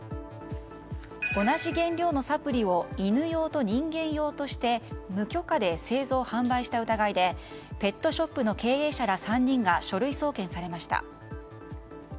同じ原料のサプリを犬用と人間用として無許可で製造・販売した疑いでペットショップの経営者ら３人が書類送検されました。